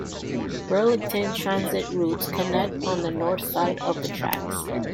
Burlington Transit routes connect on the north side of the tracks.